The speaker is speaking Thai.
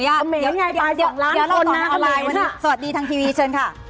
เดี๋ยวเราต่อหน้าออนไลน์วันนี้สวัสดีทางทีวีเชิญค่ะ